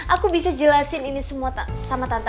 aku bisa jelasin ini semua sama tante